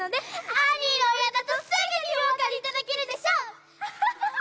アニーの親だとすぐにお分かりいただけるでしょう！ハハハ。